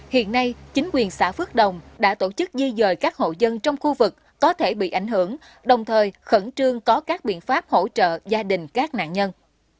hiện nay chính quyền xã phước đồng đã tổ chức di dời các hộ dân trong khu vực có thể bị ảnh hưởng đồng thời khẩn trương có các biện pháp hỗ trợ gia đình các nạn nhân